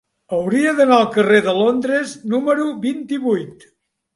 Hauria d'anar al carrer de Londres número vint-i-vuit.